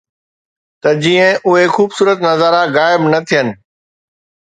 ته جيئن اهي خوبصورت نظارا غائب نه ٿين